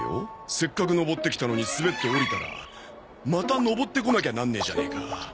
せっかく上ってきたのに滑って下りたらまた上ってこなきゃなんねえじゃねえか。